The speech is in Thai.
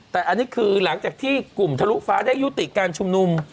แต่อันนี้คือหลังจากที่กลุ่มทะลุฟ้าได้ยุติการชุมนุม